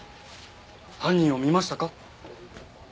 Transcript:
犯人を見ましたか？